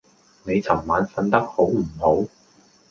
你尋晚訓得好唔好？